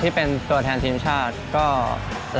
เพิ่งเป็นโอกาสครั้งแรกที่มีชื่อติดทุกใหญ่ที่ไปแข่งเลยครับ